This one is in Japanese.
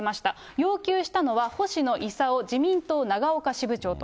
要求したのは星野伊佐夫自民党長岡支部長と。